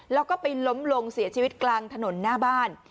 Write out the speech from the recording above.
แล้วก็ไปล้มลงเสียชีวิตกลางถนนหน้าบ้าน